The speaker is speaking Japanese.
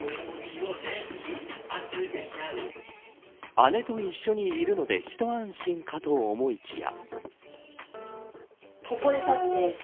姉と一緒にいるのでひと安心かと思いきや。